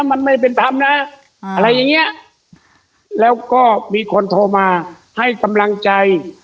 มันไม่เป็นธรรมนะอะไรอย่างเงี้ยแล้วก็มีคนโทรมาให้กำลังใจ